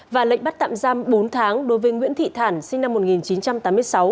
và lệnh bắt tạm giam bốn tháng đối với nguyễn thị thản sinh năm một nghìn chín trăm tám mươi sáu